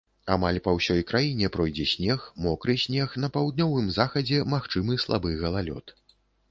Амаль па ўсёй краіне пройдзе снег, мокры снег, на паўднёвым захадзе магчымы слабы галалёд.